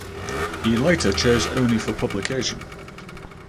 He later chose only for publication.